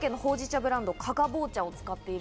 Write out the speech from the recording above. ブランド・加賀棒茶を使っている。